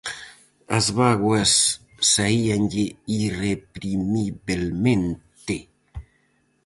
As bágoas saíanlle irreprimibelmente.